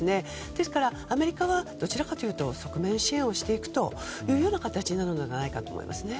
ですからアメリカはどちらかというと側面支援をしていくような形だと思いますね。